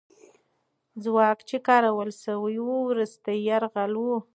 ځواک چې کارول سوی وو، وروستی یرغل وو.